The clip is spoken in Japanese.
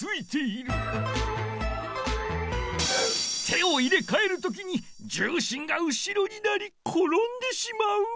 手を入れかえるときに重心が後ろになりころんでしまう。